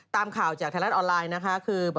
ตามข่าวจากไทยรัฐออนไลน์นะคะ